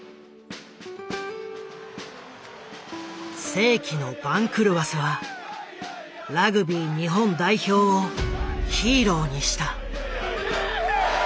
世紀の番狂わせはラグビー日本代表をヒーローにした。